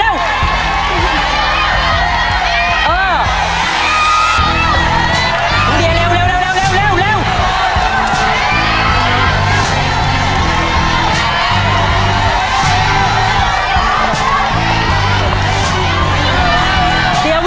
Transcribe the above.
เร็วเร็วเร็วเร็วเร็วเร็วเร็ว